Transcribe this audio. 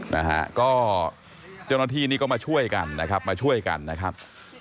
นะฮะก็เจ้าหน้าที่นี่ก็มาช่วยกันนะครับมาช่วยกันนะครับ